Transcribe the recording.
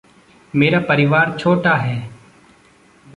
मेरा परिवार छोटा है।